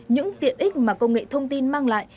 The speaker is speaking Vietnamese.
những tiện ích mà công nghệ thông tin mang lại